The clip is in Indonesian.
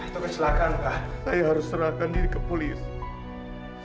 kau kecelakaan pak saya harus serahkan diri ke polisi